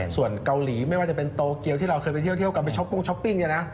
ส่วนเกาหลีไม่ว่าจะเป็นโตเกียวที่เราเคยไปเที่ยวกับไปช้อปปิ้ง